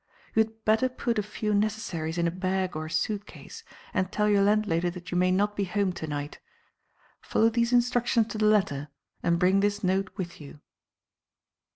You had better put a few necessaries in a bag or suit case and tell your landlady that you may not be home to night. Follow these instructions to the letter and bring this note with you."